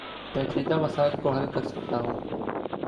پیچیدہ مسائل کو حل کر سکتا ہوں